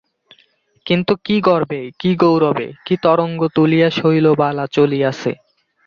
কিন্তু কী গর্বে, কী গৌরবে, কী তরঙ্গ তুলিয়া শৈলবালা চলিয়াছে।